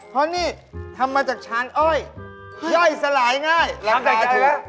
เพราะนี่ทำมาจากชานอ้อยย่อยสลายง่ายรักษาถูก